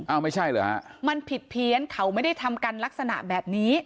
ไม่ใช่เหรอฮะมันผิดเพี้ยนเขาไม่ได้ทำกันลักษณะแบบนี้